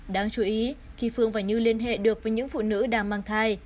đáng chú ý khi phương và như liên hệ được với những phụ nữ đang băng thai